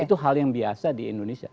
itu hal yang biasa di indonesia